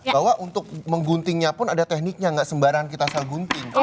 bahwa untuk mengguntingnya pun ada tekniknya nggak sembarangan kita sel gunting